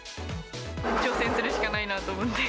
挑戦するしかないなと思って。